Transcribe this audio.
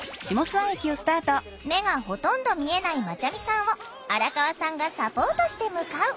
目がほとんど見えないまちゃみさんを荒川さんがサポートして向かう。